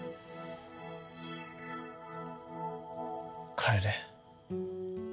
帰れ。